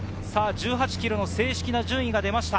１８ｋｍの正式順位が出ました。